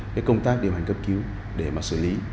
cái công tác điều hành cấp cứu để mà xử lý